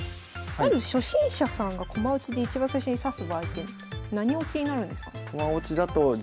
まず初心者さんが駒落ちで一番最初に指す場合って何落ちになるんですかね？